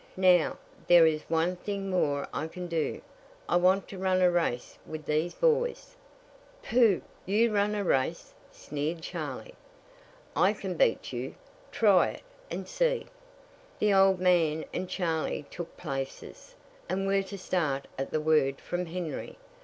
"Now, there is one thing more I can do. I want to run a race with these boys." "Pooh! You run a race!" sneered Charley. "I can beat you." "Try it, and see." The old man and Charley took places, and were to start at the word from Henry.